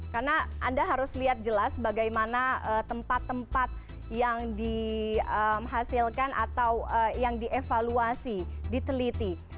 karena anda harus lihat jelas bagaimana tempat tempat yang dihasilkan atau yang dievaluasi diteliti